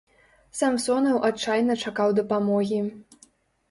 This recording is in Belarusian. Самсонаў адчайна чакаў дапамогі.